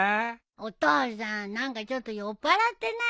お父さん何かちょっと酔っぱらってない？